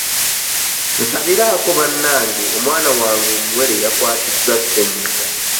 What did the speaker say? Nsabiraako bannange omwana wange omuwere yakwatiddwa ssenyiga.